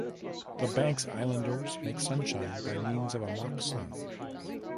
The Banks Islanders make sunshine by means of a mock sun.